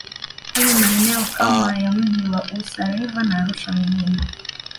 kwenye maeneo kama ya mji wa Usa River na Arusha mjini